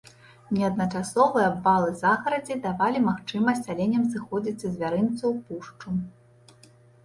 Неаднаразовыя абвалы загарадзі давалі магчымасць аленям сыходзіць са звярынца ў пушчу.